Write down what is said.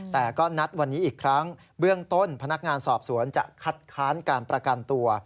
แต่ก็นัดวันนี้อีกครั้งเบื้องต้นพนักงานสอบสวนจะคัดค้านการประกันตัว